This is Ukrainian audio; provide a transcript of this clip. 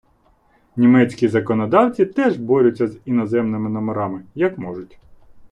Німецькі законодавці теж борються з іноземними номерами, як можуть.